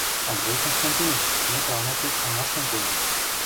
Андрей Константиныч, мый тыланет ик каҥашым пуэм.